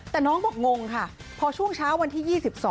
แต่น้องบอกงงค่ะพอช่วงเช้าวันที่๒๒